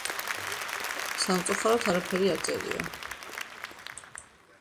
Მამას უნდა რომ კარგი შვილები ჰყავდეს